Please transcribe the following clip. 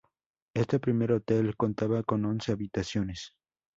Este primer hotel contaba con once habitaciones.